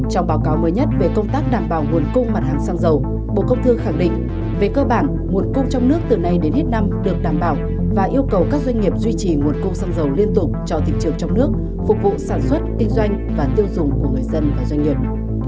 trong báo cáo mới nhất về công tác đảm bảo nguồn cung mặt hàng xăng dầu bộ công thương khẳng định về cơ bản nguồn cung trong nước từ nay đến hết năm được đảm bảo và yêu cầu các doanh nghiệp duy trì nguồn cung xăng dầu liên tục cho thị trường trong nước phục vụ sản xuất kinh doanh và tiêu dùng của người dân và doanh nghiệp